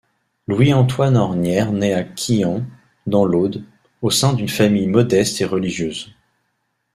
Louis-Antoine Ormières naît à Quillan, dans l'Aude, au sein d'une famille modeste et religieuse.